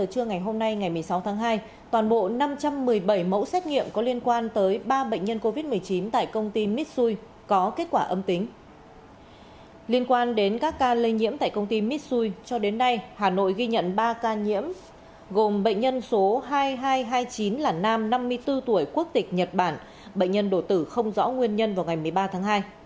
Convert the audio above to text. hà nội ghi nhận ba ca nhiễm gồm bệnh nhân số hai nghìn hai trăm hai mươi chín là nam năm mươi bốn tuổi quốc tịch nhật bản bệnh nhân đổ tử không rõ nguyên nhân vào ngày một mươi ba tháng hai